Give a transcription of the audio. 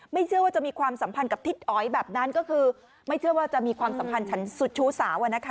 เชื่อว่าจะมีความสัมพันธ์กับทิศอ๋อยแบบนั้นก็คือไม่เชื่อว่าจะมีความสัมพันธ์ฉันสุดชู้สาว